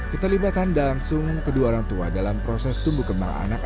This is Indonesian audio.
keterlibatan dan langsung kedua orang tua dalam proses tumbuh kembang anak